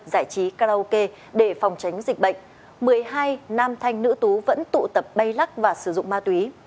giải trí karaoke để phòng tránh dịch bệnh một mươi hai nam thanh nữ tú vẫn tụ tập bay lắc và sử dụng ma túy